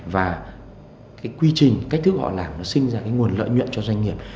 và cái quy trình cách thức họ làm nó sinh ra cái nguồn lợi nhuận cho doanh nghiệp